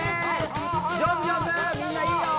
上手上手みんないいよ！